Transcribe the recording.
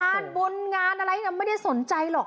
งานบุญงานอะไรไม่ได้สนใจหรอก